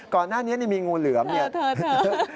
ก่อนหน้านี้มีงูเหลือมนี่เธออะไรเหรอ